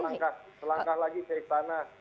sudah selangkah lagi ferry tanah